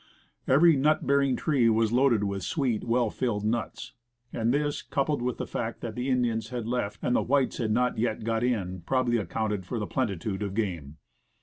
Every nut bearing tree was loaded with sweet, well filled nuts; and this, coupled with the fact that the Indians had left, and the whites had not yet got in, probably accounted for the plenitude of game.